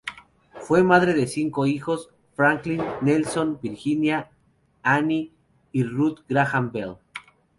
Fue madre de cinco hijos Franklin, Nelson, Virginia, Anne y Ruth Graham Bell.